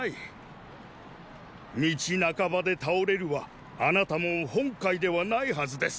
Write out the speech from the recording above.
道半ばで倒れるはあなたも本懐ではないはずです。